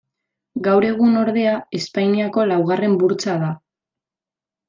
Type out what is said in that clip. Gaur egun ordea, Espainiako laugarren burtsa da.